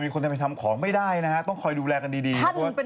คนจะไปทำของไม่ได้นะฮะต้องคอยดูแลกันดี